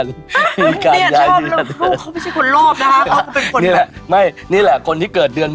อุ๊ยดี๑๐๘๐นิ็งเวงหลวยที่สุดในทุกเดือน